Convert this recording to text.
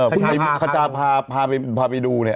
ภาพจากภาพราไปดูเนี่ย